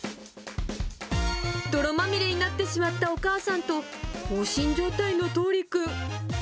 泥まみれになってしまったお母さんと、放心状態のとうりくん。